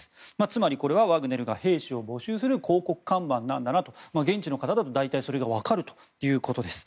つまり、これはワグネルが兵士を募集する広告看板なんだなと現地の方だと大体それが分かるということです。